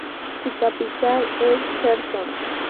Su capital es Jersón.